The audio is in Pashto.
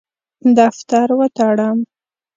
دفتر وتړم.